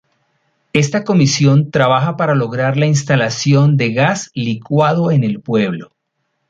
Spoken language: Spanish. Esta comisión trabaja para lograr la instalación de gas licuado en el pueblo.